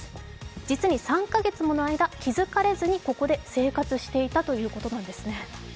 実に３か月もの間、気づかれずにここで生活していたということなんですね。